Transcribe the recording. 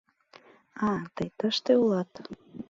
— А, тый тыште улат?